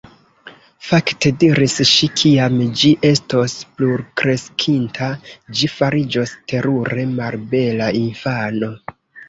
"Fakte," diris ŝi, "kiam ĝi estos plukreskinta ĝi fariĝos terure malbela infano. »